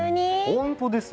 ほんとですよ。